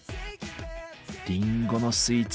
りんごのスイーツ